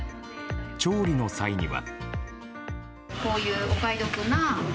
調理の際には。